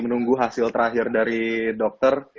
menunggu hasil terakhir dari dokter